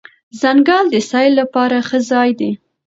ځنګل د سیل لپاره ښه ځای دی.